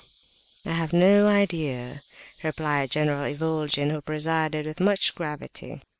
"I have no idea," replied General Ivolgin, who presided with much gravity.